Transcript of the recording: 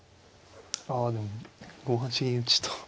あでも５八銀打と。